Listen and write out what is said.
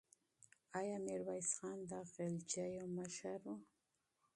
آیا میرویس خان د غلجیو مشر و؟